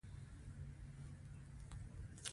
په دې موده کې منفي بدلونونو دا هرڅه اپوټه کړل